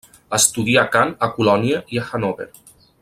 Estudià cant a Colònia i a Hannover.